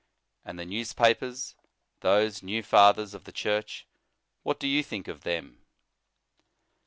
And the newspapers, those new Fathers of the Church, what do you think of them?